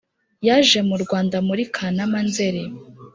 yaje mu rwanda muri kanama– nzeri